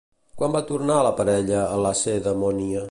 Quan va tornar la parella a Lacedemònia?